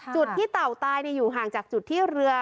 จุดที่เต่าตายอยู่ห่างจากจุดที่เรือ